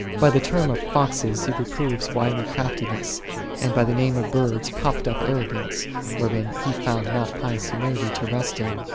.By the term of foxes He reproved wily craftiness, and by the name of birds puffed up arrogance, wherein He found not pious humility to rest in.